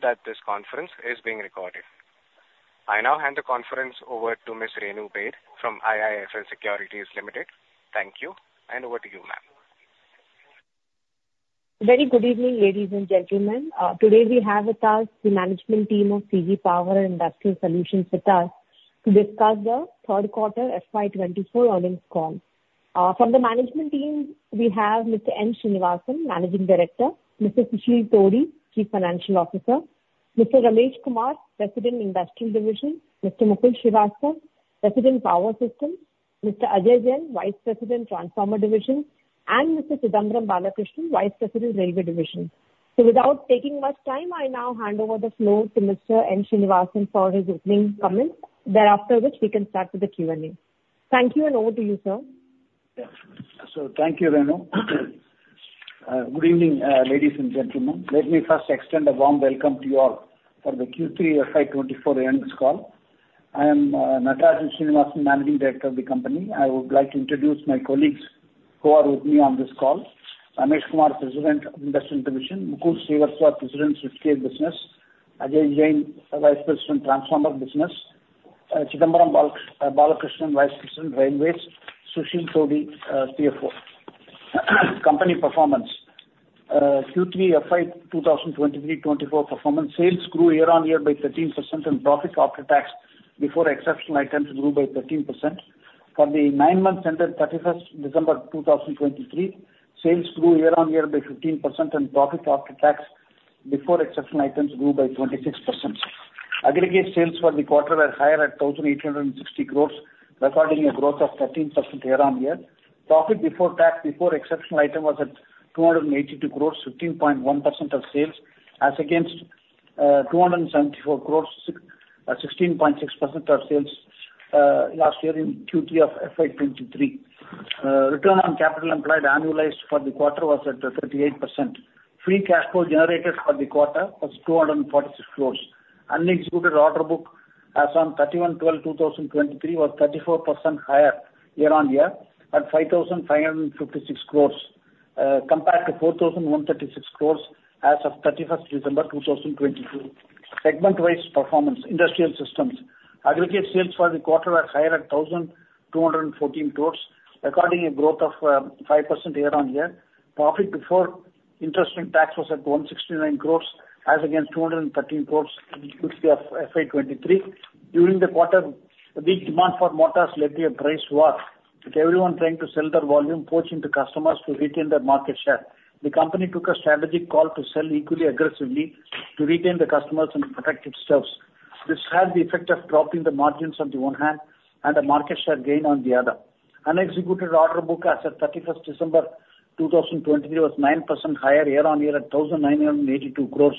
That this conference is being recorded. I now hand the conference over to Ms. Renu Baid from IIFL Securities Limited. Thank you, and over to you, ma'am. Very good evening, ladies and gentlemen. Today we have with us the management team of CG Power and Industrial Solutions with us, to discuss the third quarter FY 24 earnings call. From the management team, we have Mr. N. Srinivasan, Managing Director, Mr. Susheel Todi, Chief Financial Officer, Mr. Ramesh Kumar, President, Industrial Division, Mr. Mukul Srivastava, President, Power Systems, Mr. Ajay Jain, Vice President, Transformer Division, and Mr. Chidambaram Balakrishnan, Vice President, Railway Division. So without taking much time, I now hand over the floor to Mr. N. Srinivasan for his opening comments, thereafter which we can start with the Q&A. Thank you, and over to you, sir. Yeah. So thank you, Renu. Good evening, ladies and gentlemen. Let me first extend a warm welcome to you all for the Q3 FY 2024 earnings call. I am Natarajan Srinivasan, Managing Director of the company. I would like to introduce my colleagues who are with me on this call: Ramesh Kumar, President, Industrial Division; Mukul Srivastava, President, Industrial Business; Ajay Jain, Vice President, Transformer Business; Chidambaram Balakrishnan, Vice President, Railways; Susheel Todi, CFO. Company performance. Q3 FY 2023-2024 performance, sales grew year-on-year by 13%, and profit after tax, before exceptional items, grew by 13%. For the nine months ended 31st December 2023, sales grew year-on-year by 15% and profit after tax, before exceptional items, grew by 26%. Aggregate sales for the quarter were higher at 1,860 crores, recording a growth of 13% year-on-year. Profit before tax, before exceptional item, was at 282 crores, 15.1% of sales as against 274 crores, 16.6% of sales last year in Q3 of FY 2023. Return on capital employed annualized for the quarter was at 38%. Free cash flow generated for the quarter was 246 crores. Unexecuted order book as on 31/12/2023 was 34% higher year-on-year at 5,556 crores compared to 4,136 crores as of 31st December 2022. Segment-wise performance. Industrial systems: aggregate sales for the quarter were higher at 1,214 crores, recording a growth of 5% year-on-year. Profit before interest and tax was at 169 crores, as against 213 crores in Q3 of FY 2023. During the quarter, the demand for motors led to a price war, with everyone trying to sell their volume, poaching the customers to retain their market share. The company took a strategic call to sell equally aggressively to retain the customers and protect itself. This had the effect of dropping the margins on the one hand and a market share gain on the other. Unexecuted order book as of 31st December 2023 was 9% higher year-on-year at 1,982 crore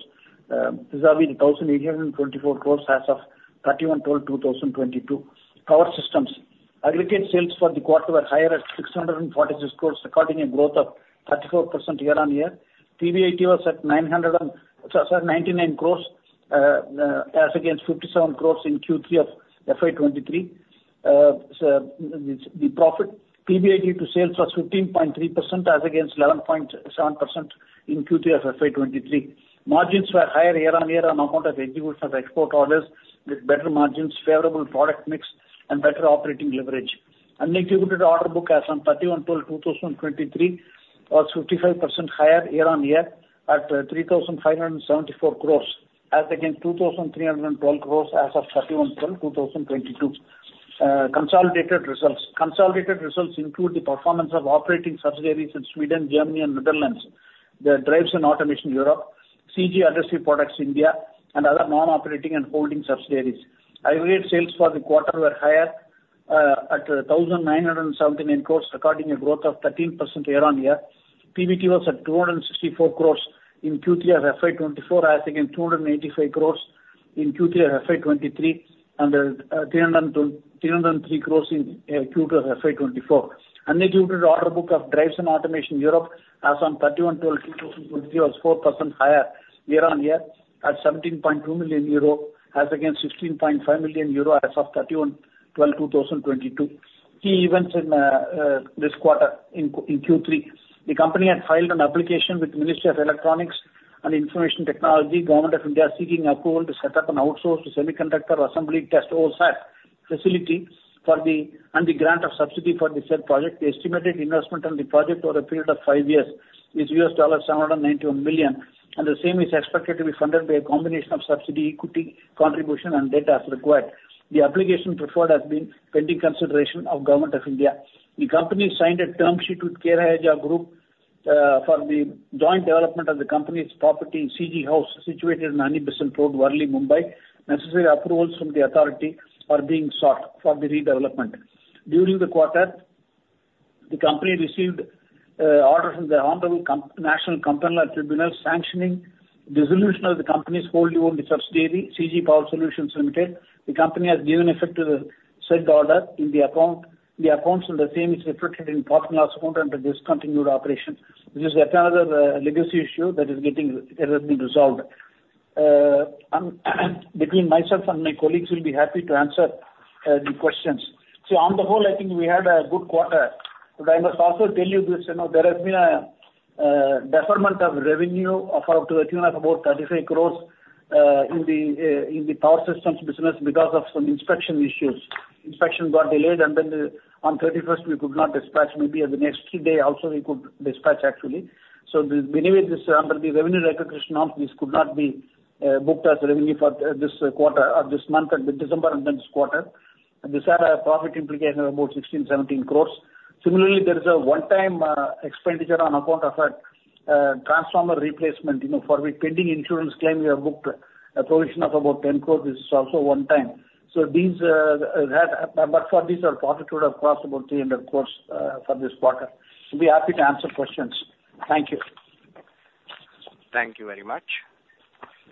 vis-à-vis 1,824 crore as of 31/12/2022. Power Systems: aggregate sales for the quarter were higher at 646 crore, recording a growth of 34% year-on-year. PBIT was at 99 crore, as against 57 crore in Q3 of FY 2023. So the profit PBIT to sales was 15.3%, as against 11.7% in Q3 of FY 2023. Margins were higher year-on-year on account of execution of export orders with better margins, favorable product mix, and better operating leverage. Unexecuted order book as on 31/12/2023 was 55% higher year-on-year at 3,574 crores, as against 2,312 crores as of 31/12/2022. Consolidated results include the performance of operating subsidiaries in Sweden, Germany, and Netherlands, the Drives and Automation, Europe, CG Adhesive Products, India, and other non-operating and holding subsidiaries. Aggregate sales for the quarter were higher at 1,979 crores, recording a growth of 13% year-on-year. PBT was at 264 crores in Q3 of FY 2024, as against 285 crores in Q3 of FY 2023, and 303 crores in Q3 of FY 2024. Unexecuted order book of Drives and Automation, Europe as on 31/12/2023 was 4% higher year-on-year at 17.2 million euro, as against 16.5 million euro as of 31/12/2022. Key events in this quarter, in Q3: The company had filed an application with the Ministry of Electronics and Information Technology, Government of India, seeking approval to set up an outsourced semiconductor assembly test, OSAT, facility for the... and the grant of subsidy for the said project. The estimated investment on the project over a period of five years is $791 million, and the same is expected to be funded by a combination of subsidy, equity, contribution, and debt as required. The application preferred has been pending consideration of Government of India. The company signed a term sheet with K Raheja Group for the joint development of the company's property, CG House, situated on Annie Besant Road, Worli, Mumbai. Necessary approvals from the authority are being sought for the redevelopment. During the quarter, the company received orders from the National Company Law Tribunal, sanctioning dissolution of the company's wholly owned subsidiary, CG Power Solutions Limited. The company has given effect to the said order in the account. The accounts from the same is reflected in profit and loss account under discontinued operation. This is yet another legacy issue that is getting, that has been resolved. Between myself and my colleagues, we'll be happy to answer the questions. So on the whole, I think we had a good quarter. But I must also tell you this, you know, there has been a deferment of revenue of up to the tune of about 35 crore in the power systems business because of some inspection issues. Inspection got delayed, and then the, on 31st we could not dispatch, maybe on the next day also we could dispatch actually. So the, anyway, this, the revenue recognition on this could not be booked as revenue for this quarter or this month, at the December and then this quarter. And this had a profit implication of about 16-17 crore. Similarly, there is a one-time expenditure on account of a transformer replacement, you know, for the pending insurance claim, we have booked a provision of about 10 crore. This is also one time. So these had, but for these our profit would have crossed about 300 crore for this quarter. We're happy to answer questions. Thank you. Thank you very much.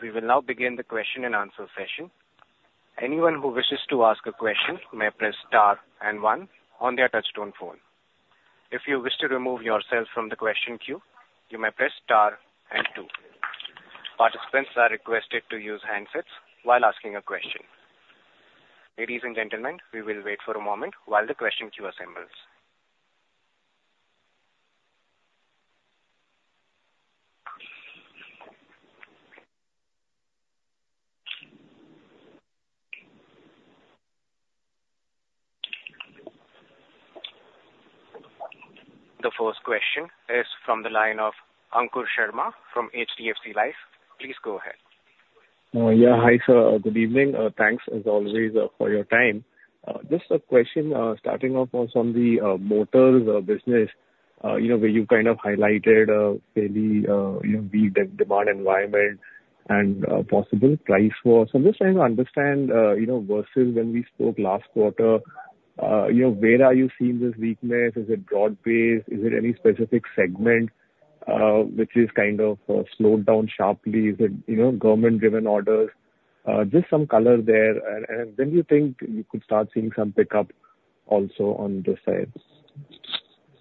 We will now begin the question and answer session. Anyone who wishes to ask a question may press star and one on their touchtone phone. If you wish to remove yourself from the question queue, you may press star and two. Participants are requested to use handsets while asking a question. Ladies and gentlemen, we will wait for a moment while the question queue assembles. The first question is from the line of Ankur Sharma from HDFC Life. Please go ahead. Yeah. Hi, sir, good evening. Thanks, as always, for your time. Just a question, starting off on some of the motors business, you know, where you kind of highlighted maybe, you know, the demand environment and possible price war. So I'm just trying to understand, you know, versus when we spoke last quarter, you know, where are you seeing this weakness? Is it broad-based? Is it any specific segment which is kind of slowed down sharply? Is it, you know, government-driven orders? Just some color there. And when do you think you could start seeing some pickup also on this side?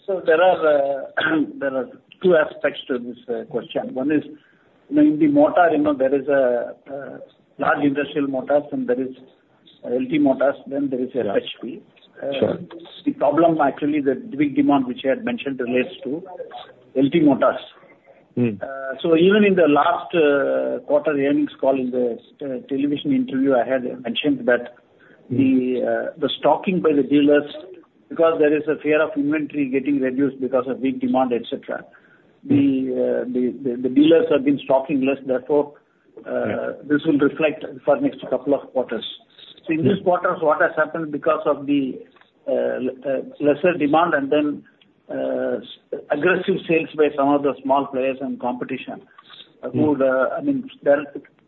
So there are two aspects to this question. One is, you know, in the motor, you know, there is a large industrial motors, and there is LT Motors, then there is HT. Sure. The problem, actually, the weak demand which I had mentioned relates to LT Motors. Mm. So even in the last quarter earnings call, in the television interview, I had mentioned that- Mm... the stocking by the dealers, because there is a fear of inventory getting reduced because of weak demand, et cetera. The dealers have been stocking less, therefore- Yeah... this will reflect for next couple of quarters. So in this quarter, what has happened because of the lesser demand and then aggressive sales by some of the small players and competition, who, I mean,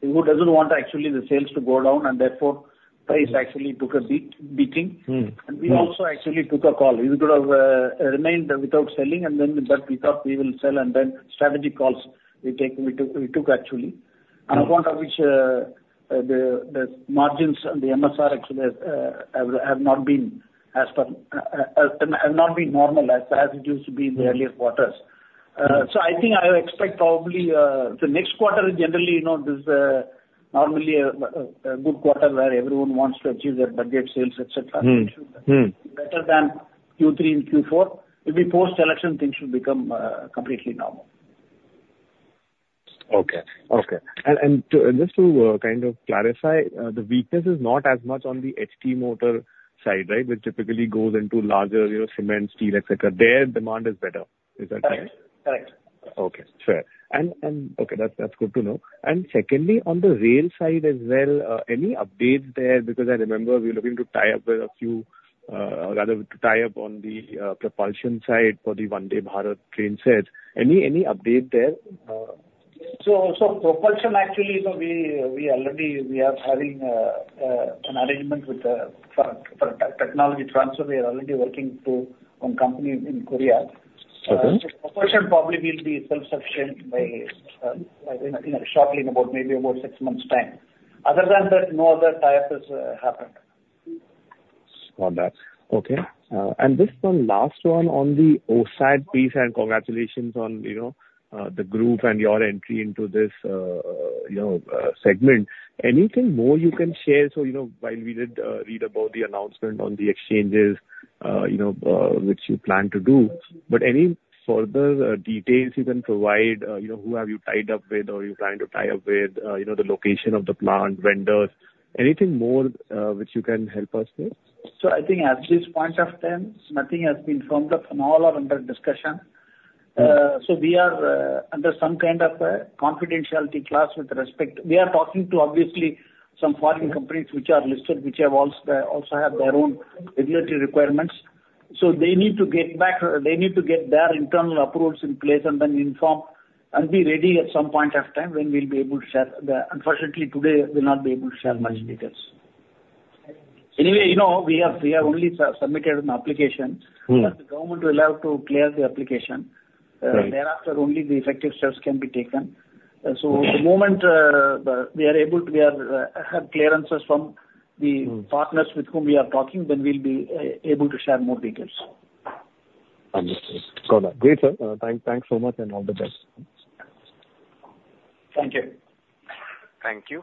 who doesn't want actually the sales to go down, and therefore price actually took a beating. Mm-hmm. We also actually took a call. We could have remained without selling, and then, but we thought we will sell, and then strategy calls we take, we took, we took actually. Mm. On account of which, the margins and the MSR actually have not been as per, have not been normalized as it used to be in the earlier quarters. So, I think I expect probably the next quarter is generally, you know, this is normally a good quarter where everyone wants to achieve their budget sales, et cetera. Mm-hmm. Mm. Better than Q3 and Q4. Maybe post-election, things should become completely normal. Okay. Okay. And just to kind of clarify, the weakness is not as much on the HT Motor side, right? Which typically goes into larger, you know, cement, steel, et cetera. There, demand is better. Is that right? Correct. Correct. Okay, fair. And, and, okay, that's, that's good to know. And secondly, on the rail side as well, any update there? Because I remember we were looking to tie up with a few, rather to tie up on the, propulsion side for the Vande Bharat train set. Any, any update there? So, propulsion actually, you know, we already are having an arrangement with the for technology transfer. We are already working to one company in Korea. Okay. Propulsion probably will be self-sufficient by, you know, shortly, in about maybe about six months' time. Other than that, no other tie-ups happened. Got that. Okay. And just one last one on the OSAT piece, and congratulations on, you know, the group and your entry into this, you know, segment. Anything more you can share? So, you know, while we did read about the announcement on the exchanges, you know, which you plan to do, but any further details you can provide, you know, who have you tied up with or you're trying to tie up with, you know, the location of the plant, vendors? Anything more, which you can help us with? I think at this point of time, nothing has been firmed up, and all are under discussion. So we are under some kind of a confidentiality clause with respect... We are talking to, obviously, some foreign companies which are listed, which have also, also have their own regulatory requirements. So they need to get back, they need to get their internal approvals in place and then inform, and be ready at some point of time when we'll be able to share the... Unfortunately, today, we'll not be able to share much details. Anyway, you know, we have only submitted an application. Mm-hmm. The government will have to clear the application. Right. Thereafter, only the effective steps can be taken. So the moment we are able to have clearances from the- Mm... partners with whom we are talking, then we'll be able to share more details. Understood. Got that. Great, sir. Thanks so much, and all the best. Thank you. Thank you.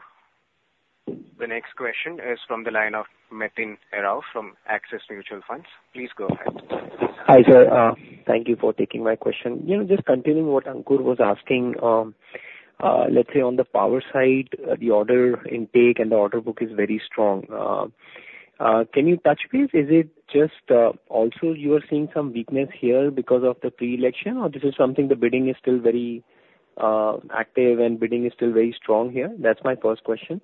The next question is from the line of Nitin Arora from Axis Mutual Funds. Please go ahead. Hi, sir. Thank you for taking my question. You know, just continuing what Ankur was asking, let's say on the power side, the order intake and the order book is very strong. Can you touch base? Is it just, also you are seeing some weakness here because of the pre-election, or this is something the bidding is still very, active and bidding is still very strong here? That's my first question.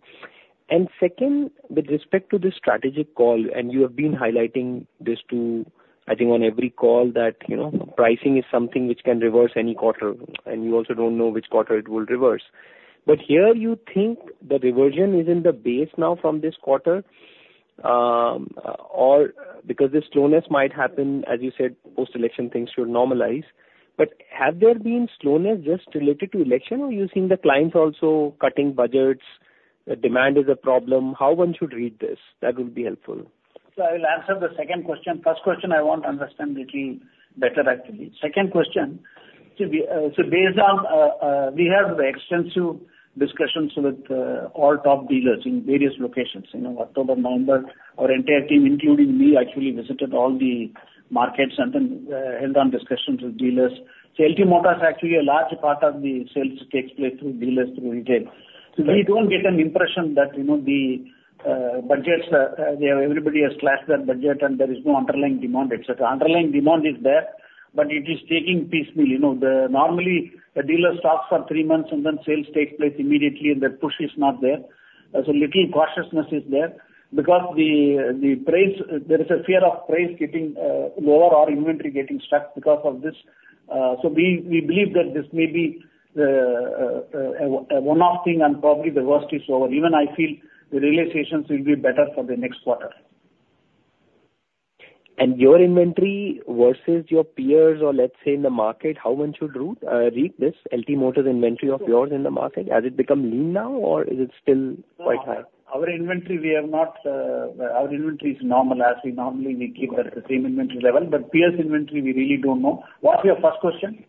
And second, with respect to the strategic call, and you have been highlighting this to, I think on every call that, you know, pricing is something which can reverse any quarter, and you also don't know which quarter it will reverse. But here you think the reversion is in the base now from this quarter, or because the slowness might happen, as you said, post-election things should normalize. Have there been slowness just related to election, or you're seeing the clients also cutting budgets, the demand is a problem? How one should read this? That would be helpful. So I will answer the second question. First question, I want to understand little better actually. Second question, so we, so based on, we have extensive discussions with all top dealers in various locations. In October, November, our entire team, including me, actually visited all the markets and then held on discussions with dealers. So LT Motors, actually a large part of the sales takes place through dealers, through retail. So we don't get an impression that, you know, the budgets, they, everybody has slashed their budget and there is no underlying demand, et cetera. Underlying demand is there, but it is taking piecemeal. You know, normally, the dealer stocks for three months and then sales takes place immediately, and that push is not there. So a little cautiousness is there because the price, there is a fear of price getting lower or inventory getting stuck because of this. So we believe that this may be a one-off thing, and probably the worst is over. Even I feel the realizations will be better for the next quarter. Your inventory versus your peers, or let's say, in the market, how one should read this LT Motors inventory of yours in the market? Has it become lean now or is it still quite high? Our inventory, we have not, our inventory is normal. As we normally we keep the same inventory level, but peers inventory, we really don't know. What's your first question?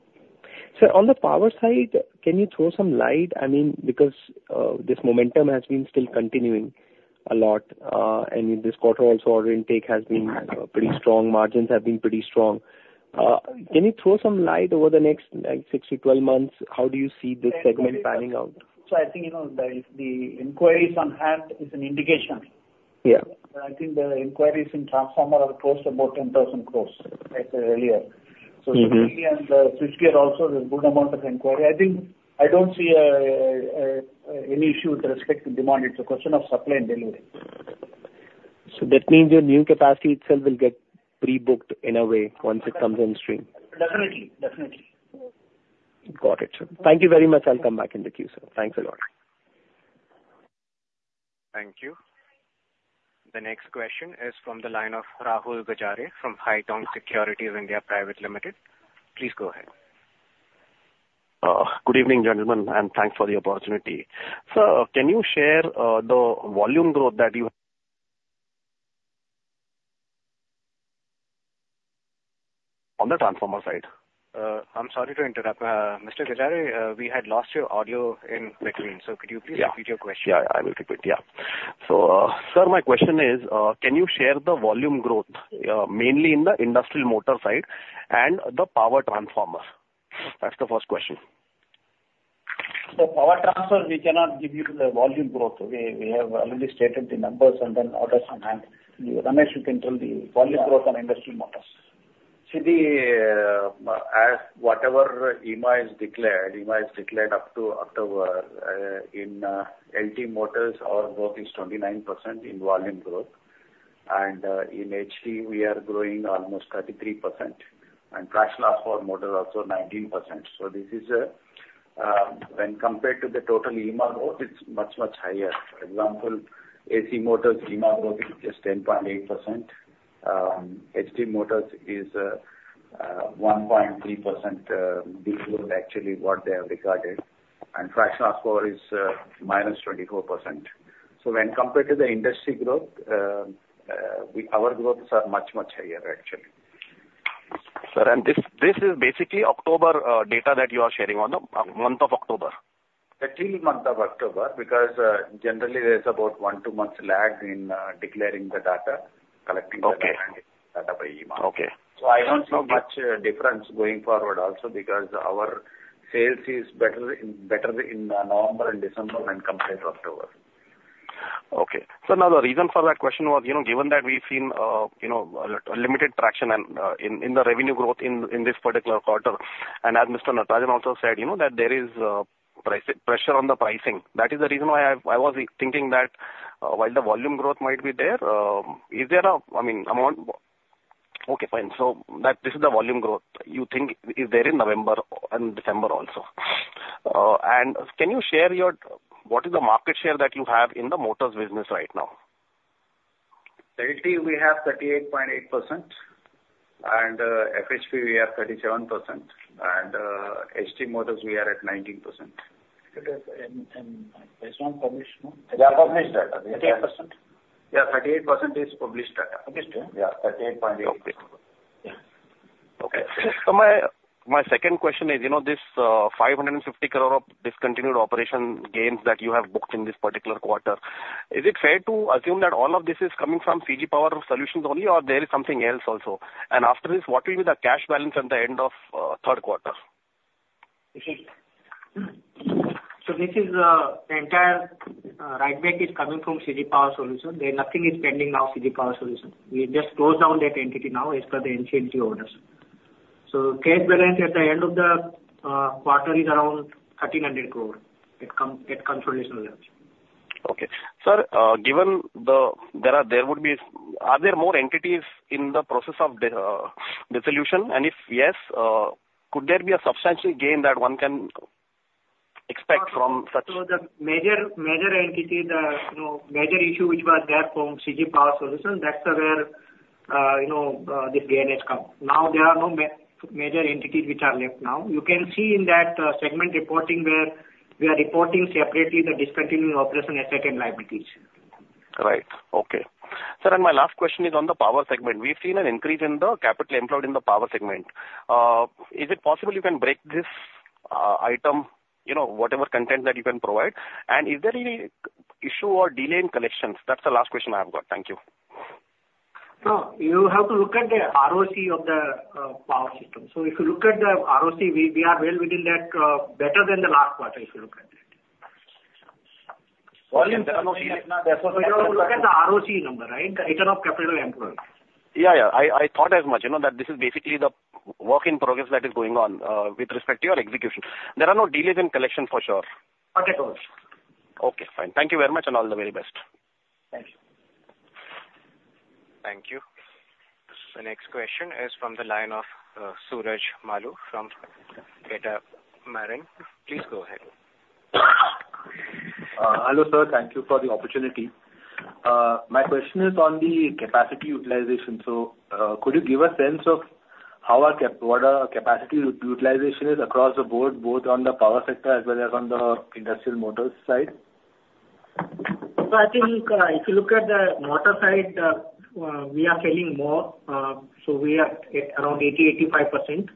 Sir, on the power side, can you throw some light? I mean, because, this momentum has been still continuing a lot, and in this quarter also, order intake has been, pretty strong, margins have been pretty strong. Can you throw some light over the next, like, six to 12 months? How do you see this segment panning out? So I think, you know, the inquiries on hand is an indication. Yeah. I think the inquiries in transformer are close to about 10,000 crore, I said earlier. Mm-hmm. So, switchgear also there's a good amount of inquiry. I think I don't see any issue with respect to demand. It's a question of supply and delivery. So that means your new capacity itself will get pre-booked in a way once it comes on stream? Definitely. Definitely. Got it, sir. Thank you very much. I'll come back in with you, sir. Thanks a lot. Thank you. The next question is from the line of Rahul Gajare from Haitong Securities India Private Limited. Please go ahead. Good evening, gentlemen, and thanks for the opportunity. Sir, can you share the volume growth that you... On the transformer side? I'm sorry to interrupt. Mr. Gajare, we had lost your audio in between, so could you please repeat your question? Yeah. Yeah, I will repeat, yeah. So, sir, my question is, can you share the volume growth, mainly in the industrial motor side and the power transformer? That's the first question. Power transformer, we cannot give you the volume growth. We have already stated the numbers, and then orders on hand. Ramesh, you can tell the volume growth on industrial motors. See the, as whatever IEEMA is declared, IEEMA is declared up to October, in, LT Motors, our growth is 29% in volume growth, and, in HT we are growing almost 33%, and fractional horsepower model also 19%. So this is, when compared to the total IEEMA growth, it's much, much higher. For example, AC motors IEEMA growth is just 10.8%, HT motors is, 1.3%, below actually what they have regarded, and fractional horsepower is, -24%. So when compared to the industry growth, we, our growths are much, much higher, actually. Sir, and this, this is basically October data that you are sharing or no? Month of October. Actually, month of October, because generally there's about one, two months lag in declaring the data, collecting the data- Okay. and data by IEEMA. Okay. So I don't see much difference going forward also because our sales is better in, better in, November and December when compared to October. Okay. So now the reason for that question was, you know, given that we've seen, you know, a limited traction and, in the revenue growth in this particular quarter, and as Mr. Natarajan also said, you know, that there is, price pressure on the pricing. That is the reason why I was thinking that, while the volume growth might be there, is there a, I mean, amount... Okay, fine. So that, this is the volume growth you think is there in November and December also. And can you share your, what is the market share that you have in the motors business right now? LT, we have 38.8%, and FHP we have 37%, and HT motors we are at 19%. This one published, no? Yeah, published data. 38%? Yeah, 38% is published data. Published, yeah? Yeah, 38.8%... Yeah. So my second question is, you know, this 550 crore of discontinued operation gains that you have booked in this particular quarter, is it fair to assume that all of this is coming from CG Power Solutions only, or there is something else also? And after this, what will be the cash balance at the end of third quarter? So this is the entire write back is coming from CG Power Solutions. There nothing is pending now, CG Power Solutions. We just closed down that entity now as per the NCLT orders. So cash balance at the end of the quarter is around INR 1,300 crore. It comes from solutions there. Okay. Sir, are there more entities in the process of dissolution? And if yes, could there be a substantial gain that one can expect from such? So the major, major entity, the, you know, major issue which was there from CG Power Solutions, that's where, you know, this gain has come. Now, there are no major entities which are left now. You can see in that segment reporting where we are reporting separately the discontinued operation, assets and liabilities. Right. Okay. Sir, and my last question is on the power segment. We've seen an increase in the capital employed in the power segment. Is it possible you can break this, item, you know, whatever content that you can provide? And is there any issue or delay in collections? That's the last question I have got. Thank you. No, you have to look at the ROC of the power system. So if you look at the ROC, we, we are well within that, better than the last quarter, if you look at it. Well, in terms of- Look at the ROCE number, right? The Return on Capital Employed. Yeah, yeah, I thought as much. You know, that this is basically the work in progress that is going on with respect to your execution. There are no delays in collection for sure? Okay, correct. Okay, fine. Thank you very much, and all the very best. Thank you. Thank you. The next question is from the line of Suraj Malu, from Catamaran. Please go ahead. Hello, sir. Thank you for the opportunity. My question is on the capacity utilization. So, could you give a sense of how our capacity utilization is across the board, both on the power sector as well as on the industrial motors side? So I think, if you look at the motor side, we are selling more, so we are at around 80-85%.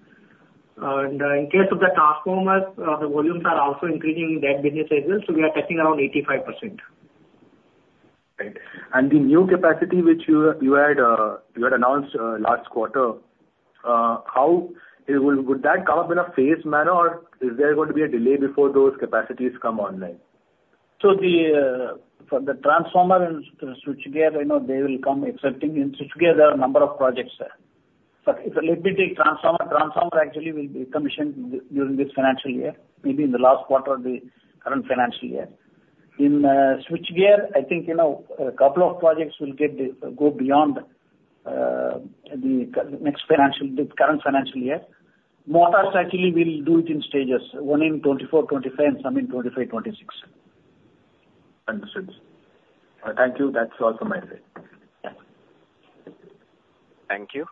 In case of the transformers, the volumes are also increasing in that business as well, so we are testing around 85%. Right. And the new capacity which you had announced last quarter, how will... Would that come up in a phased manner, or is there going to be a delay before those capacities come online? So, for the transformer and switchgear, you know, they will come accepting. In switchgear, there are a number of projects there. But let me take transformer, transformer actually will be commissioned during this financial year, maybe in the last quarter of the current financial year. In switchgear, I think, you know, a couple of projects will go beyond the current financial year. Motors actually will do it in stages, one in 2024, 2025, and some in 2025, 2026. Understood. Thank you. That's all from my side. Thank you.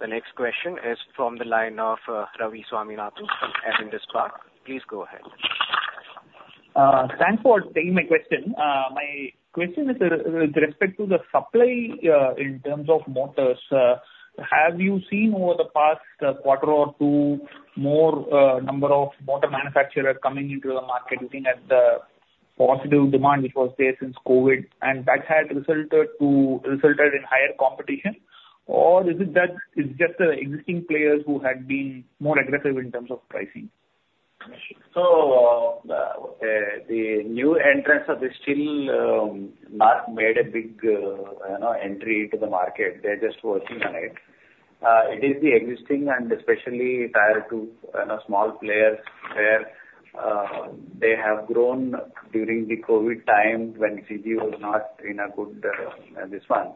The next question is from the line of Ravi Swaminathan from Avendus Spark. Please go ahead. Thanks for taking my question. My question is with respect to the supply in terms of motors. Have you seen over the past quarter or two more number of motor manufacturers coming into the market, looking at the positive demand which was there since COVID, and that had resulted in higher competition? Or is it that it's just the existing players who had been more aggressive in terms of pricing? So, the new entrants are still not made a big, you know, entry into the market. They're just working on it. It is the existing and especially tier two, you know, small players where they have grown during the COVID time when CG was not in a good, this one.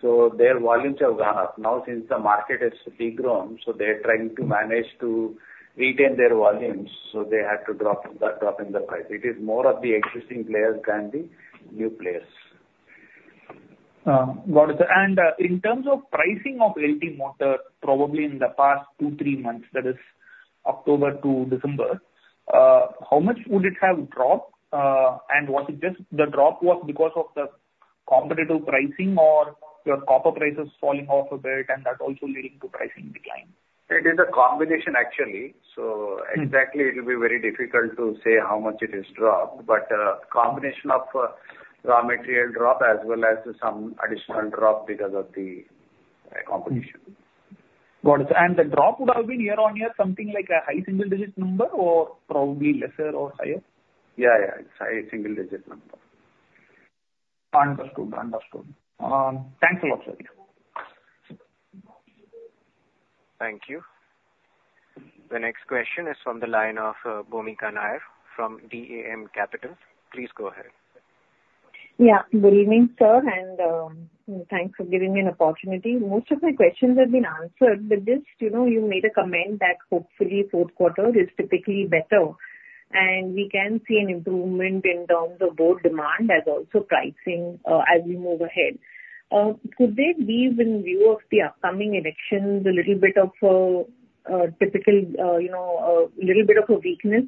So their volumes have gone up. Now, since the market has degrown, so they're trying to manage to retain their volumes, so they had to drop in the price. It is more of the existing players than the new players. Got it. And, in terms of pricing of LT Motor, probably in the past two, three months, that is October to December, how much would it have dropped? And was it just the drop was because of the competitive pricing or your copper prices falling off a bit and that also leading to pricing decline? It is a combination, actually. So- Mm. Exactly, it will be very difficult to say how much it has dropped, but, combination of, raw material drop, as well as some additional drop because of the, competition. Got it. The drop would have been year-over-year, something like a high single digit number or probably lesser or higher? Yeah, yeah, it's high single digit number. Understood. Understood. Thanks a lot, sir. Thank you. The next question is from the line of, Bhoomika Nair from DAM Capital. Please go ahead. Yeah, good evening, sir, and thanks for giving me an opportunity. Most of my questions have been answered, but just, you know, you made a comment that hopefully fourth quarter is typically better, and we can see an improvement in terms of both demand as also pricing, as we move ahead. Could there be, in view of the upcoming elections, a little bit of typical, you know, little bit of a weakness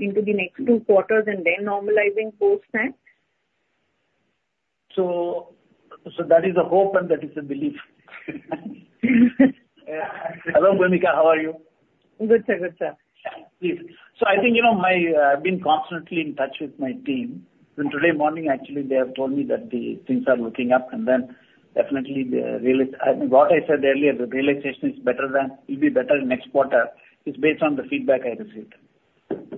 into the next two quarters and then normalizing post that?... So that is a hope and that is a belief. Hello, Bhoomika, how are you? Good, sir. Good, sir. Yes. So I think, you know, my, I've been constantly in touch with my team, and today morning, actually, they have told me that the things are looking up, and then definitely what I said earlier, the realization is better than, will be better next quarter, is based on the feedback I received.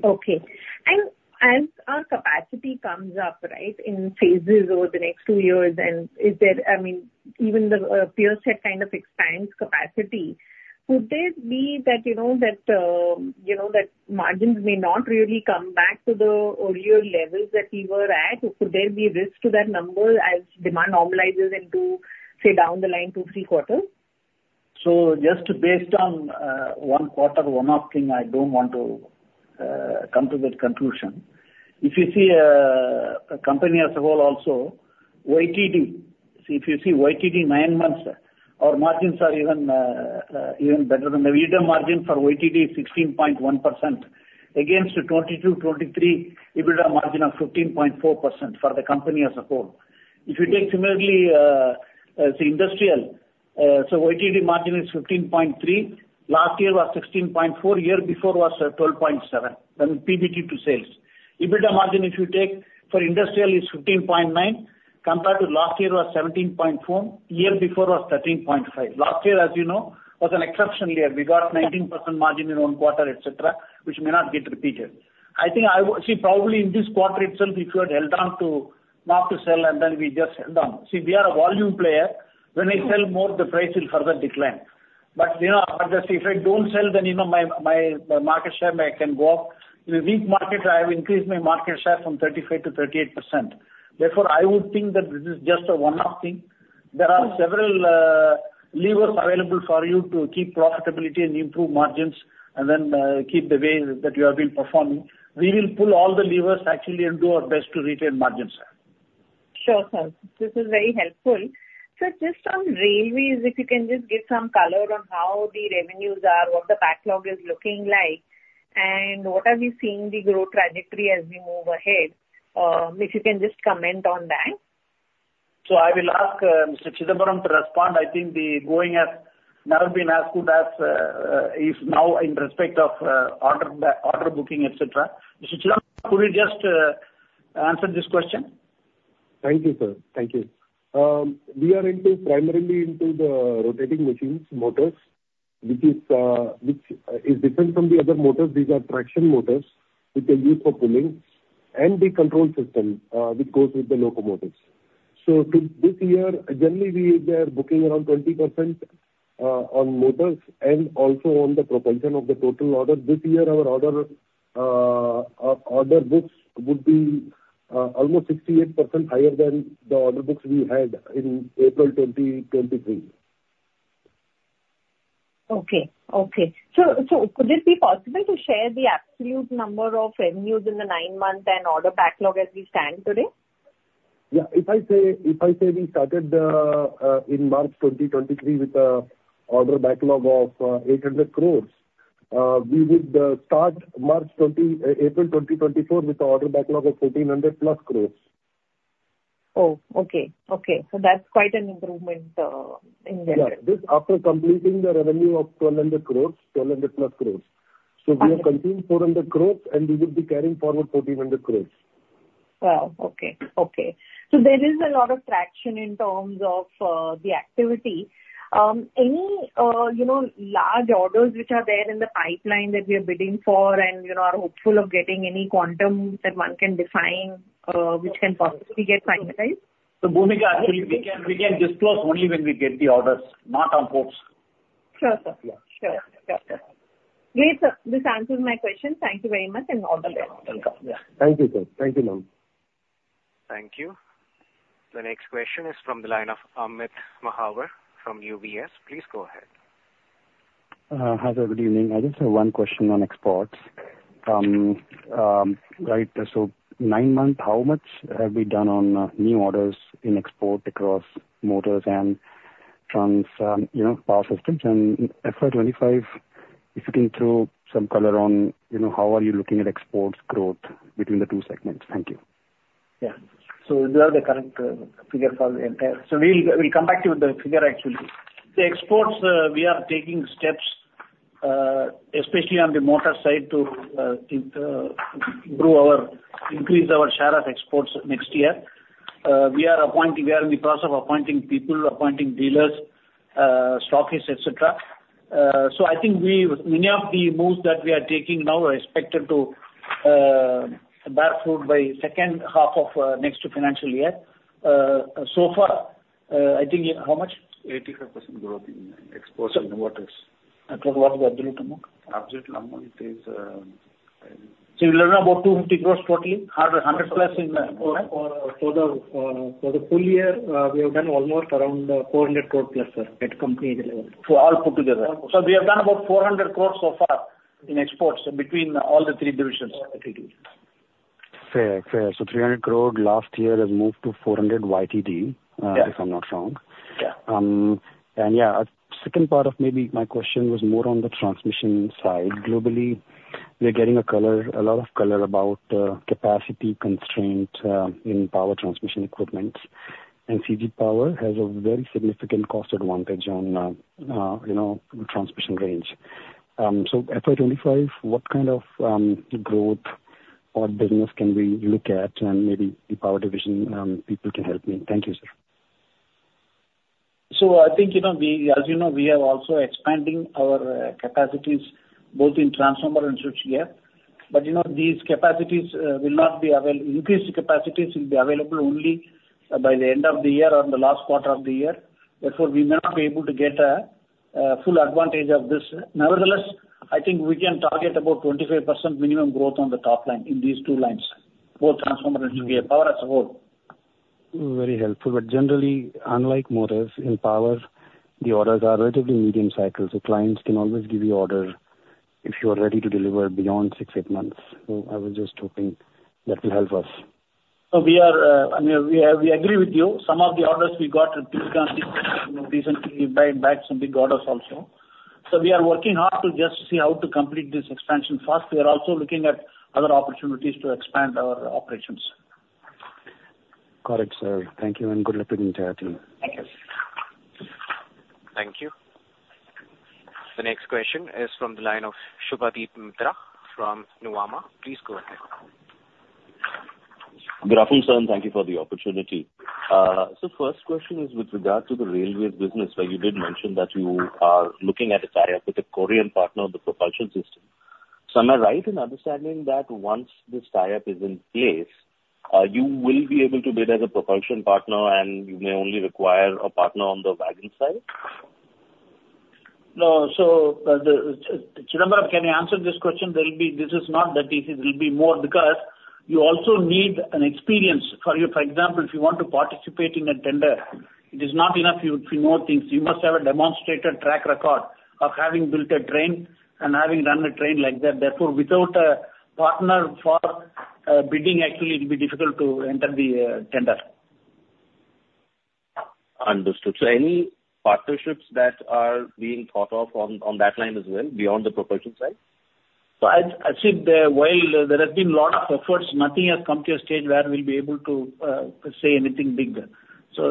Okay. And as our capacity comes up, right, in phases over the next two years, and is there—I mean, even the peer set kind of expands capacity, could there be that, you know, that, you know, that margins may not really come back to the earlier levels that we were at? Could there be risk to that number as demand normalizes into, say, down the line, two, three quarters? So just based on one quarter, one-off thing, I don't want to come to that conclusion. If you see the company as a whole also, YTD, if you see YTD nine months, our margins are even better than the EBITDA margin for YTD 16.1%, against the 2022-2023 EBITDA margin of 15.4% for the company as a whole. If you take similarly as industrial, so YTD margin is 15.3%, last year was 16.4%, year before was 12.7%, then PBT to sales. EBITDA margin, if you take for industrial, is 15.9%, compared to last year was 17.4%, year before was 13.5%. Last year, as you know, was an exceptional year. We got 19% margin in one quarter, et cetera, which may not get repeated. I think I would see, probably in this quarter itself, if you had held on to not to sell and then we just sell them. See, we are a volume player. When I sell more, the price will further decline. But, you know, but if I don't sell, then, you know, my market share may, can go up. In the weak market, I have increased my market share from 35%-38%. Therefore, I would think that this is just a one-off thing. There are several levers available for you to keep profitability and improve margins, and then keep the way that you have been performing. We will pull all the levers actually and do our best to retain margins, sir. Sure, sir. This is very helpful. So just on railways, if you can just give some color on how the revenues are, what the backlog is looking like, and what are we seeing the growth trajectory as we move ahead? If you can just comment on that. I will ask Mr. Chidambaram to respond. I think the going has never been as good as is now in respect of order booking, et cetera. Mr. Chidambaram, could you just answer this question? Thank you, sir. Thank you. We are into, primarily into the rotating machines, motors, which is different from the other motors. These are traction motors, which are used for pulling, and the control system, which goes with the locomotives. So to this year, generally, we are booking around 20%, on motors and also on the propulsion of the total order. This year, our order, our order books would be, almost 68% higher than the order books we had in April 2023. Okay. So, could it be possible to share the absolute number of revenues in the nine months and order backlog as we stand today? Yeah. If I say, if I say we started in March 2023 with an order backlog of 800 crore, we would start April 2024 with an order backlog of 1,400+ crore. Oh, okay. Okay. So that's quite an improvement in there. Yeah. This after completing the revenue of 1,200 crores, 1,200+ crores. We have completed 400 crore, and we will be carrying forward 1,400 crore. Wow! Okay, okay. So there is a lot of traction in terms of, the activity. Any, you know, large orders which are there in the pipeline that we are bidding for and, you know, are hopeful of getting any quantum that one can define, which can possibly get finalized? So, Bhoomika, actually, we can, we can disclose only when we get the orders, not on hopes. Sure, sir. Yeah. Sure, sure. Great, sir. This answers my question. Thank you very much and all the best. Welcome. Yeah. Thank you, sir. Thank you, ma'am. Thank you. The next question is from the line of Amit Mahawar from UBS. Please go ahead. Hi, sir, good evening. I just have one question on exports. Right, so nine months, how much have we done on new orders in export across motors and trans, you know, power systems? And FY 2025, if you can throw some color on, you know, how are you looking at exports growth between the two segments? Thank you. Yeah. So do you have the current figure for the entire? So we'll come back to you with the figure actually. The exports, we are taking steps, especially on the motor side, to increase our share of exports next year. We are appointing, we are in the process of appointing people, appointing dealers, stockists, et cetera. So I think many of the moves that we are taking now are expected to bear fruit by second half of next financial year. So far, I think... How much? 85% growth in exports in motors. What was the absolute amount? Absolute amount is, We earned about 250 crore totally, 100, 100+ in the—for the full year, we have done almost around 400 crore+, sir, at company level. So all put together. So we have done about 400 crore so far in exports between all the three divisions. Fair. Fair. So 300 crore last year has moved to 400 crore YTD- Yeah. If I'm not wrong. Yeah. And, yeah, second part of maybe my question was more on the transmission side, globally. We're getting a color, a lot of color about capacity constraint in power transmission equipment, and CG Power has a very significant cost advantage on, you know, transmission range. So FY 2025, what kind of growth or business can we look at, and maybe the power division people can help me? Thank you, sir. So I think you know, we, as you know, we are also expanding our capacities both in transformer and switchgear. But you know, these capacities will not be—increased capacities will be available only by the end of the year or the last quarter of the year. Therefore, we may not be able to get a full advantage of this. Nevertheless, I think we can target about 25% minimum growth on the top line in these two lines, both transformer and switchgear, power as a whole. Very helpful. But generally, unlike motors, in power, the orders are relatively medium cycle, so clients can always give you orders if you are ready to deliver beyond six, eight months. So I was just hoping that will help us. So we are, I mean, we, we agree with you. Some of the orders we got recently, we brought back some big orders also. We are working hard to just see how to complete this expansion fast. We are also looking at other opportunities to expand our operations. Got it, sir. Thank you and good luck to the entire team. Thank you. Thank you. The next question is from the line of Subhadip Mitra from Nuvama. Please go ahead. Good afternoon, sir, and thank you for the opportunity. First question is with regard to the railway business, where you did mention that you are looking at a tie-up with a Korean partner on the propulsion system. Am I right in understanding that once this tie-up is in place, you will be able to bid as a propulsion partner, and you may only require a partner on the wagon side? No, so, Chidambaram, can you answer this question? There will be, this is not that easy, it will be more, because you also need an experience for your... For example, if you want to participate in a tender, it is not enough you know things. You must have a demonstrated track record of having built a train and having run a train like that. Therefore, without a partner for bidding, actually it will be difficult to enter the tender. Understood. So any partnerships that are being thought of on that line as well, beyond the propulsion side? So I think that while there have been a lot of efforts, nothing has come to a stage where we'll be able to say anything big there. So,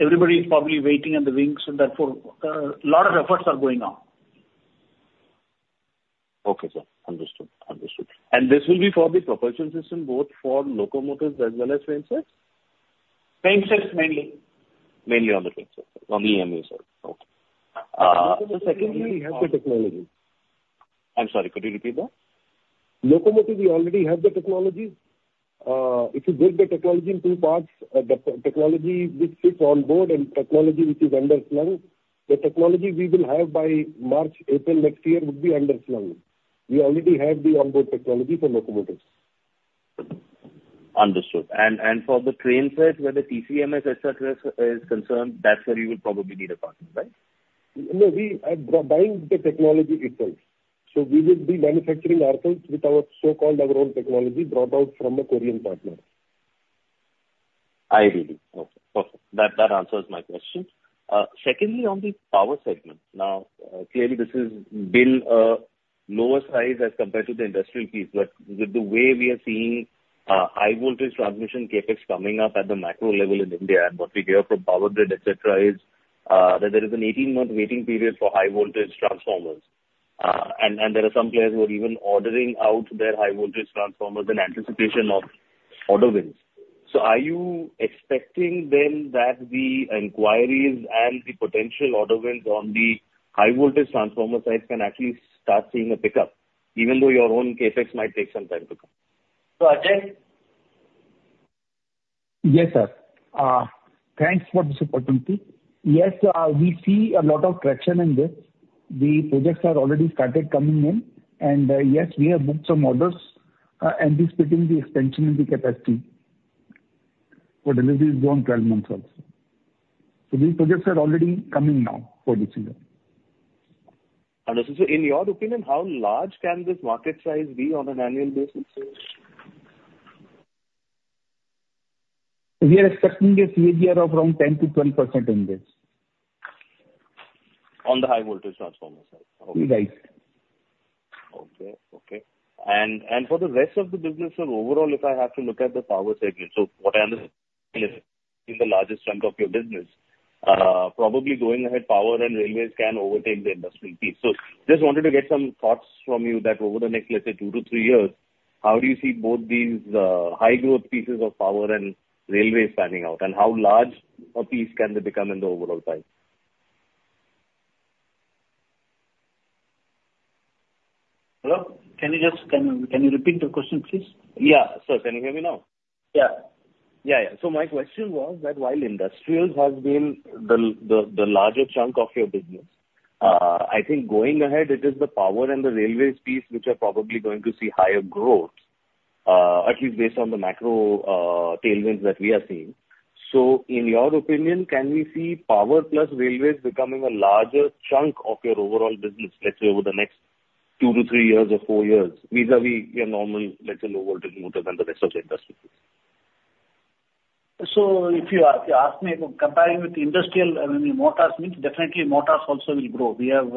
everybody is probably waiting in the wings, and therefore, a lot of efforts are going on. Okay, sir. Understood. Understood. And this will be for the propulsion system, both for locomotives as well as train sets? Train sets, mainly. Mainly on the train sets, on IEEMA sets. Okay. Secondly- We have the technology. I'm sorry, could you repeat that? Locomotive, we already have the technology. If you break the technology in two parts, the technology which fits on board and technology which is underslung, the technology we will have by March, April next year would be underslung. We already have the onboard technology for locomotives. Understood. And for the train sets, where the TCMS, et cetera, is concerned, that's where you will probably need a partner, right? No, we are buying the technology itself. So we will be manufacturing ourselves with our so-called own technology, brought out from a Korean partner. I see. Okay. Perfect. That, that answers my question. Secondly, on the power segment, now, clearly this has been a lower size as compared to the industrial piece, but with the way we are seeing high voltage transmission CapEx coming up at the macro level in India, and what we hear from Power Grid, et cetera, is that there is an 18-month waiting period for high voltage transformers. And, and there are some players who are even ordering out their high voltage transformers in anticipation of order wins. So are you expecting then that the inquiries and the potential order wins on the high voltage transformer side can at least start seeing a pickup, even though your own CapEx might take some time to come? So, Ajay? Yes, sir. Thanks for this opportunity. Yes, we see a lot of traction in this. The projects are already started coming in, and yes, we have booked some orders, anticipating the expansion in the capacity for delivery beyond 12 months also. So these projects are already coming now for this year. Understood. So in your opinion, how large can this market size be on an annual basis? We are expecting a CAGR of around 10%-20% in this. On the high voltage transformer side? Right. Okay. Okay. And for the rest of the business, so overall, if I have to look at the power segment, so what I understand is, the largest chunk of your business, probably going ahead, power and railways can overtake the industrial piece. So just wanted to get some thoughts from you that over the next, let's say, two to three years, how do you see both these, high growth pieces of power and railways panning out, and how large a piece can they become in the overall pie? Hello, can you repeat the question, please? Yeah. Sir, can you hear me now? Yeah. Yeah, yeah. So my question was that while industrials has been the larger chunk of your business, I think going ahead, it is the power and the railways piece which are probably going to see higher growth, at least based on the macro tailwinds that we are seeing. So in your opinion, can we see power plus railways becoming a larger chunk of your overall business, let's say, over the next two to three years or four years, vis-à-vis your normal, let's say, low voltage motors and the rest of the industry? So if you ask me comparing with industrial, I mean, motors means definitely motors also will grow. We have,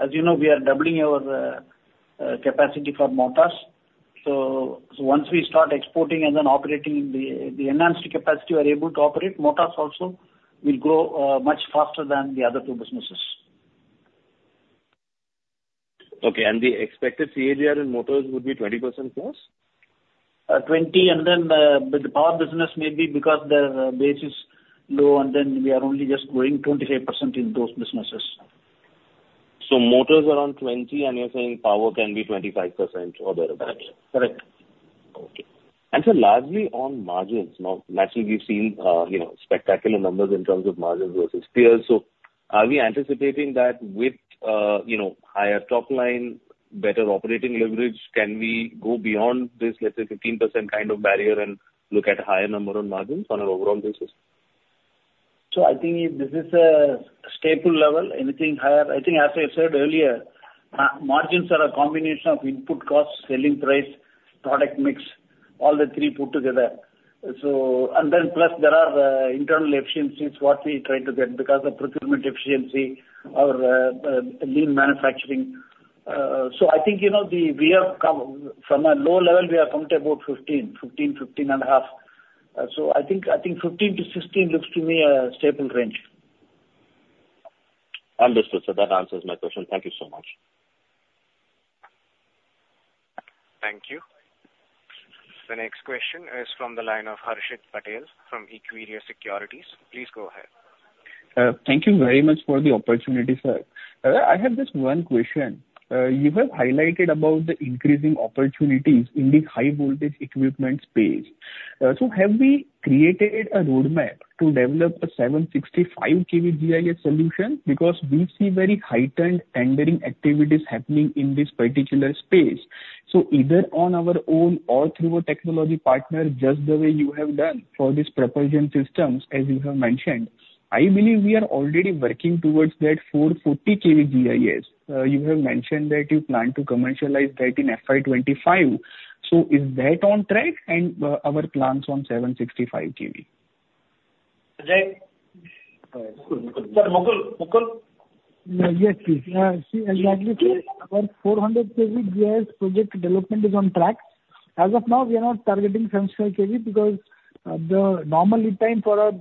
as you know, we are doubling our capacity for motors. So once we start exporting and then operating the enhanced capacity, we are able to operate, motors also will grow much faster than the other two businesses. Okay. And the expected CAGR in motors would be 20%+? 20%, and then with the power business, maybe because the base is low, and then we are only just growing 25% in those businesses. So motors around 20%, and you're saying power can be 25% or thereabout? Correct. Okay. Lastly, on margins. Now, naturally, we've seen, you know, spectacular numbers in terms of margins versus peers. So are we anticipating that with, you know, higher top line, better operating leverage, can we go beyond this, let's say, 15% kind of barrier and look at a higher number on margins on an overall basis? So I think this is a stable level, anything higher... I think as I said earlier, margins are a combination of input costs, selling price, product mix, all the three put together. So, and then plus, there are internal efficiencies, what we try to get because of procurement efficiency or lean manufacturing. So I think, you know, we have come from a low level, we have come to about 15%, 15%, 15.5%. So I think, I think 15%-16% looks to me a stable range. Understood, sir. That answers my question. Thank you so much. Thank you. The next question is from the line of Harshit Patel from Equirus Securities. Please go ahead. Thank you very much for the opportunity, sir. I have just one question. You have highlighted about the increasing opportunities in the high voltage equipment space. So have we created a roadmap to develop a 765 kV GIS solution? Because we see very heightened tendering activities happening in this particular space. So either on our own or through a technology partner, just the way you have done for this propulsion systems, as you have mentioned, I believe we are already working towards that 440 kV GIS. You have mentioned that you plan to commercialize that in FY 2025. So is that on track and our plans on 765 kV? Jay? Sir, Mukul, Mukul. Yes, please. See, exactly, sir, our 400 kV GIS project development is on track. As of now, we are not targeting 765 kV because, the normal lead time for a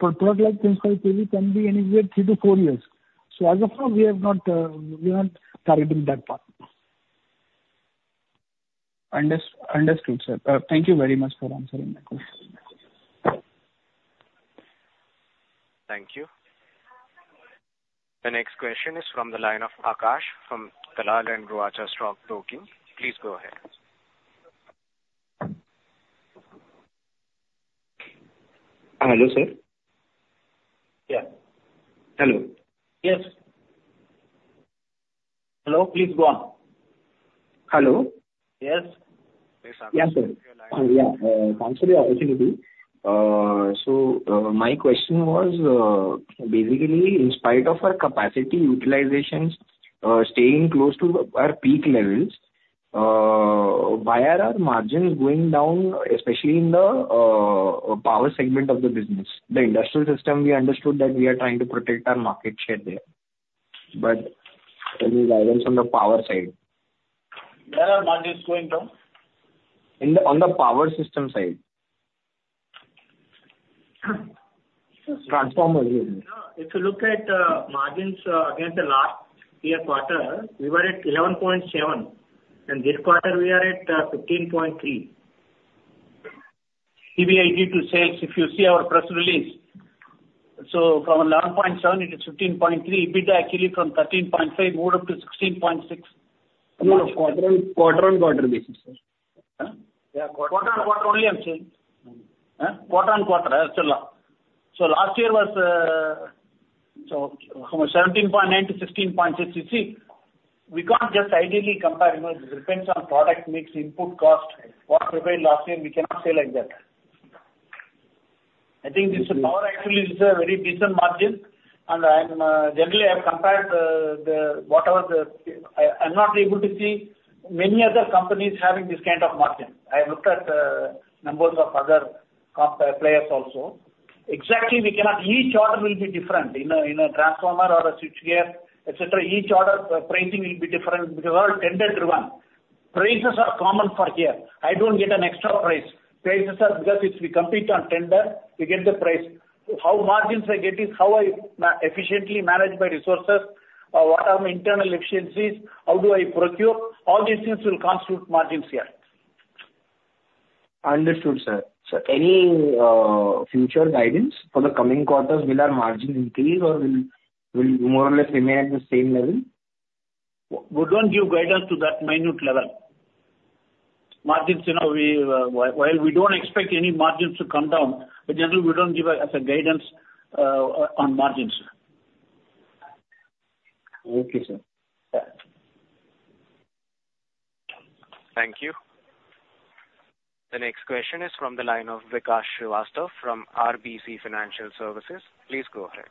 product like 765 kV can be anywhere three to four years. So as of now, we have not, we are not targeting that part. Understood, sir. Thank you very much for answering my question. Thank you. The next question is from the line of Akash from Dalal & Broacha Stock Broking. Please go ahead. Hello, sir. Yeah. Hello? Yes. Hello, please go on. Hello? Yes. Yeah, sir. Yeah, thanks for the opportunity. So, my question was, basically, in spite of our capacity utilizations staying close to our peak levels, why are our margins going down, especially in the power segment of the business? The industrial system, we understood that we are trying to protect our market share there, but any guidance on the power side? Where are margins going down? On the power system side. Transformers. No, if you look at margins, against the last year quarter, we were at 11.7%, and this quarter we are at 15.3%. EBITDA to sales, if you see our press release. So from 11.7%, it is 15.3%. EBITDA actually from 13.5%, went up to 16.6%. No, quarter-on-quarter basis, sir. Huh? Yeah, quarter-over-quarter only I'm saying. Quarter-over-quarter, that's all. So last year was, so how much? 17.9% to 16.6%. You see, we can't just ideally compare, you know, it depends on product mix, input cost, what prevailed last year, we cannot say like that. I think this power actually is a very decent margin, and I'm, generally, I've compared, the, whatever the... I, I'm not able to see many other companies having this kind of margin. I looked at, numbers of other companies, players also. Exactly, we cannot, each order will be different. In a, in a transformer or a switchgear, et cetera, each order, pricing will be different because we're all tender driven. Prices are common for here. I don't get an extra price. Prices are because if we compete on tender, we get the price. How margins I get is how I efficiently manage my resources, what are my internal efficiencies, how do I procure? All these things will constitute margins here. Understood, sir. So any future guidance for the coming quarters, will our margins increase or will more or less remain at the same level? We don't give guidance to that minute level. Margins, you know, while we don't expect any margins to come down, but generally, we don't give guidance on margins. Okay, sir. Yeah. Thank you. The next question is from the line of Vikas Srivastav from RBC Financial Services. Please go ahead. ...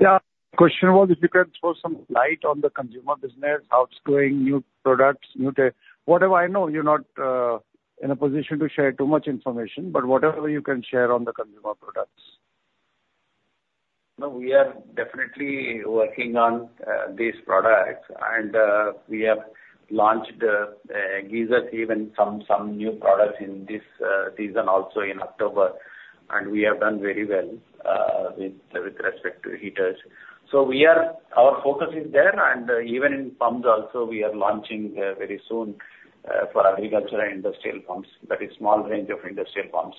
Yeah, question was if you can throw some light on the consumer business, outsourcing new products, new tech, whatever. I know you're not in a position to share too much information, but whatever you can share on the consumer products. No, we are definitely working on these products, and we have launched geysers, even some new products in this season also in October, and we have done very well with respect to heaters. So, our focus is there, and even in pumps also, we are launching very soon for agriculture and industrial pumps, that is small range of industrial pumps.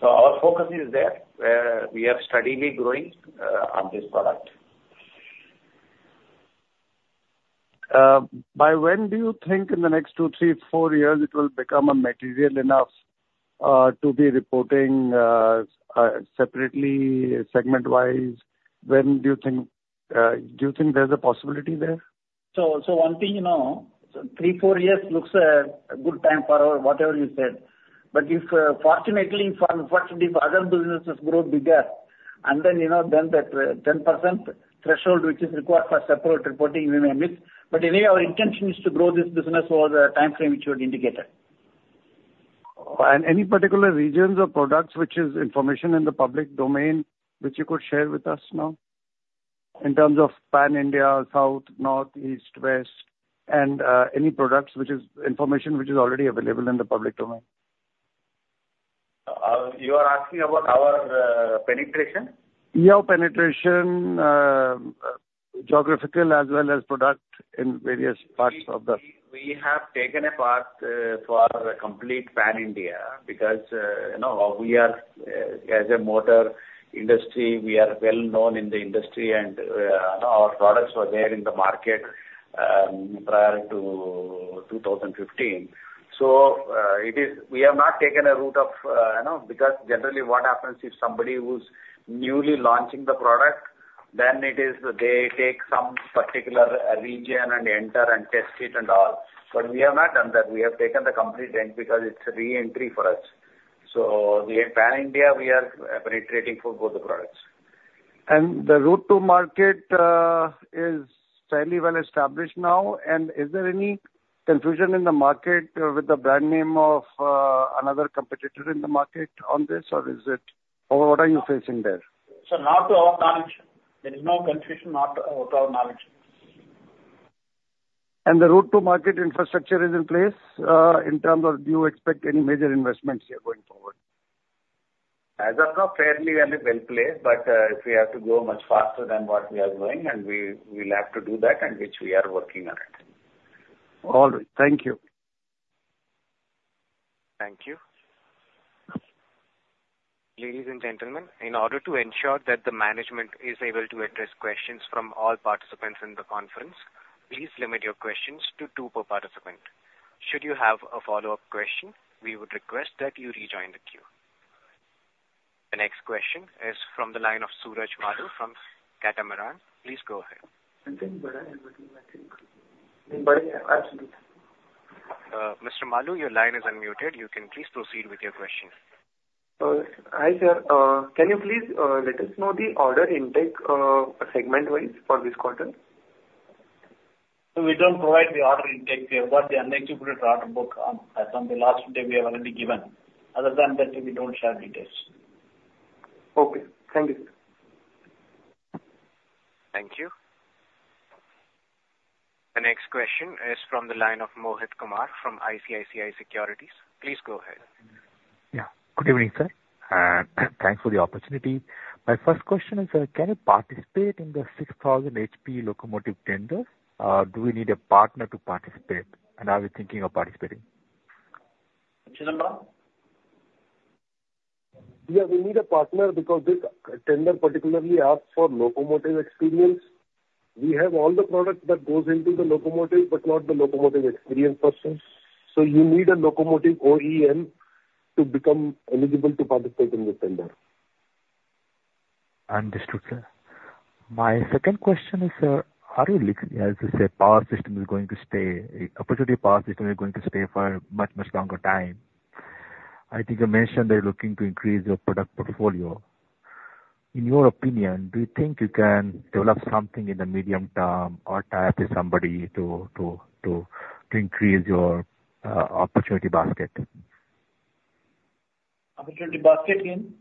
So our focus is there, we are steadily growing on this product. By when do you think in the next two, three, four years it will become material enough to be reporting separately, segment-wise? When do you think, do you think there's a possibility there? So, so one thing, you know, three, four years looks a, a good time for our whatever you said. But if, fortunately, if unfortunately, if other businesses grow bigger, and then, you know, then that 10% threshold which is required for separate reporting, we may miss. But anyway, our intention is to grow this business over the time frame which you had indicated. Any particular regions or products which is information in the public domain, which you could share with us now? In terms of Pan India, South, North, East, West, and any products which is information which is already available in the public domain. You are asking about our penetration? Yeah, penetration, geographical as well as product in various parts of the- We have taken a path for complete Pan India because, you know, we are, as a motor industry, we are well-known in the industry and, our products were there in the market prior to 2015. So, it is... We have not taken a route of, you know, because generally what happens if somebody who's newly launching the product, then it is they take some particular region and enter and test it and all. But we have not done that. We have taken the complete end because it's a re-entry for us. So we are Pan India, we are penetrating for both the products. The route to market is fairly well established now. Is there any confusion in the market with the brand name of another competitor in the market on this, or is it, or what are you facing there? Not to our knowledge. There is no confusion, not to our knowledge. The route to market infrastructure is in place, in terms of do you expect any major investments here going forward? As of now, fairly well, well placed, but if we have to grow much faster than what we are doing, and we, we will have to do that and which we are working on it. All right. Thank you. Thank you. Ladies and gentlemen, in order to ensure that the management is able to address questions from all participants in the conference, please limit your questions to two per participant. Should you have a follow-up question, we would request that you rejoin the queue. The next question is from the line of Suraj Malu from Catamaran. Please go ahead. I think Mr. Malu, your line is unmuted. You can please proceed with your question. Hi, sir. Can you please let us know the order intake, segment-wise for this quarter? We don't provide the order intake. We have got the unexecuted order book, as on the last day we have already given. Other than that, we don't share details. Okay. Thank you. Thank you. The next question is from the line of Mohit Kumar from ICICI Securities. Please go ahead. Yeah, good evening, sir, thanks for the opportunity. My first question is, can you participate in the 6,000 HP locomotive tenders, do we need a partner to participate? And are we thinking of participating? Chidambaram? Yeah, we need a partner because this tender particularly asks for locomotive experience. We have all the products that goes into the locomotive, but not the locomotive experience persons. So you need a locomotive OEM to become eligible to participate in the tender. Understood, sir. My second question is, sir, are you looking, as you say, power system is going to stay, opportunity power system is going to stay for a much, much longer time. I think you mentioned that you're looking to increase your product portfolio. In your opinion, do you think you can develop something in the medium term or tie up with somebody to increase your opportunity basket? Opportunity basket in?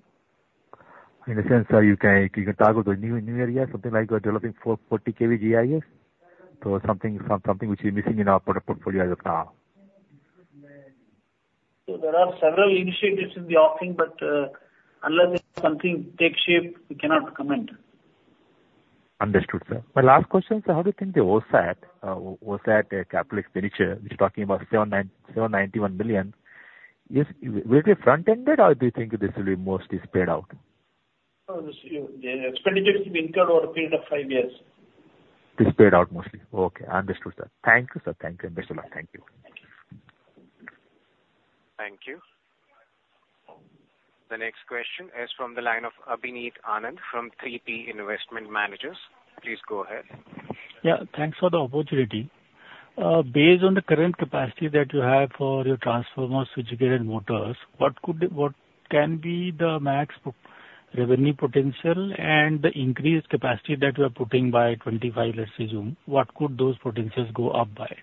In the sense that you can target a new area, something like you are developing 440 kV GIS, so something which is missing in our product portfolio as of now. So there are several initiatives in the offing, but, unless something takes shape, we cannot comment. Understood, sir. My last question, sir: how do you think the OSAT capital expenditure, which is talking about $791 million, will it be front-ended, or do you think this will be mostly spread out? The expenditures will be incurred over a period of five years. Disbursed out mostly. Okay, understood, sir. Thank you, sir. Thank you and best of luck. Thank you. Thank you. Thank you. The next question is from the line of Abhineet Anand from 3P Investment Managers. Please go ahead. Yeah, thanks for the opportunity. Based on the current capacity that you have for your transformer, switchgear and motors, what can be the max revenue potential and the increased capacity that you are putting by 2025, let's assume, what could those potentials go up by?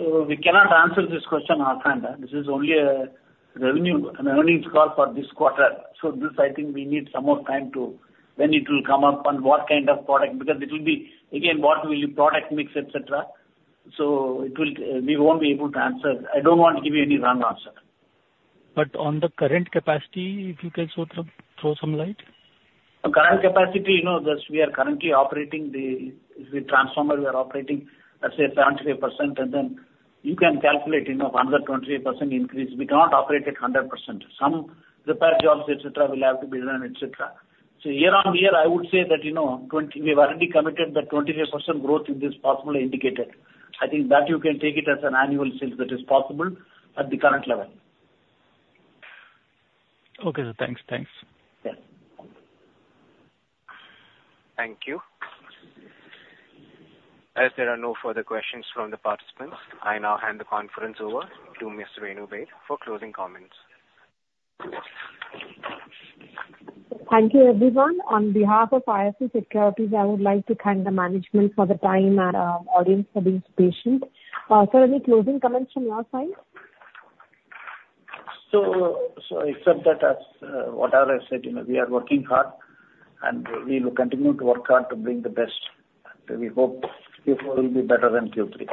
So we cannot answer this question offhand. This is only a revenue, an earnings call for this quarter. So this, I think we need some more time to... When it will come up and what kind of product, because it will be, again, what will be product mix, et cetera. So it will, we won't be able to answer. I don't want to give you any wrong answer. On the current capacity, if you can throw some light? The current capacity, you know, just we are currently operating the transformer, we are operating, let's say, 75%, and then you can calculate, you know, another 25% increase. We cannot operate at 100%. Some repair jobs, et cetera, will have to be done, et cetera. So year-on-year, I would say that, you know, 20%, we've already committed that 25% growth in this possible indicator. I think that you can take it as an annual sales that is possible at the current level. Okay, sir. Thanks. Thanks. Yes. Thank you. As there are no further questions from the participants, I now hand the conference over to Ms. Renu Baid for closing comments. Thank you, everyone. On behalf of IIFL Securities, I would like to thank the management for the time and, audience for being patient. Sir, any closing comments from your side? So, except that as what I have said, you know, we are working hard, and we will continue to work hard to bring the best, and we hope Q4 will be better than Q3.